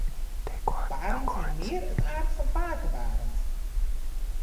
Barend hie mear it aard fan pake Barend.